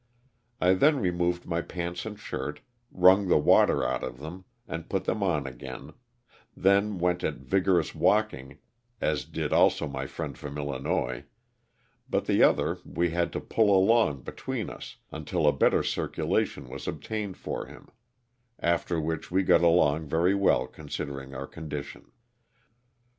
I then removed my pants and shirt, wrung the water out of them and put them on again, then went at vigorous walking, as did also my friend from Illinois, but the other we had to pull along between us until a better circulation was obtained for him, after which LOSS OF THE SULTANA. 233 we got along very well considering our condition.